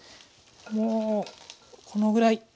もうこのぐらい。